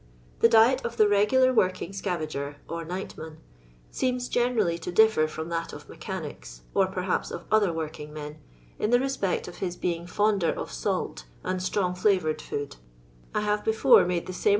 The diet of the regular working scavager (or nightman) seems generally to differ from that of mechanics, and perhaps of other working men, in the respect of his being fonder of salt and itrong fiavourtd food, I have before made the same ""JJi'^'Ai THE LONDON SCAVENGER.